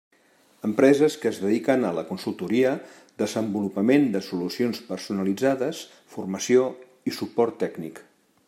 Empreses que es dediquen a la consultoria, desenvolupament de solucions personalitzades, formació i suport tècnic.